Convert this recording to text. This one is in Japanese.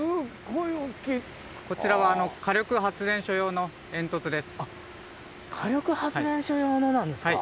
こちらは火力発電所用のなんですか？